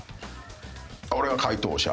俺が解答者？